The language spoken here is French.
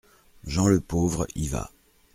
Jean le Pauvre y va.